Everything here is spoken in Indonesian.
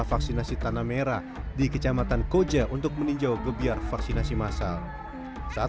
vaksinasi tanah merah di kecamatan koja untuk meninjau gebiar vaksinasi masal saat